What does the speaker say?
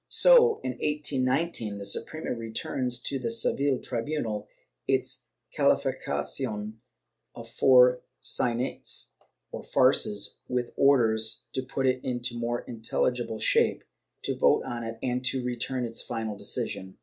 So, in 1819, the Suprema returns to the Seville tribunal its calificacion of four saynetes, or farces, with orders to put it into more intelligible shape, to vote on it and return it for final decision.